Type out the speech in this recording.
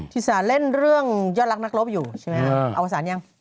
อีสานเล่นเรื่องยอดรักนักรบอยู่ใช่ไหมอวสารยัง